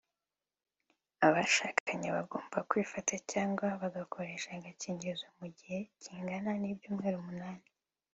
abashakanye bagomba kwifata cyangwa bagakoresha agakingirizo mu gihe kingana n’ibyumweru umunani